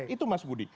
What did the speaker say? itu mas budi